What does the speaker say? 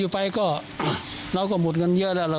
ไม่เอ้าแหละพอละ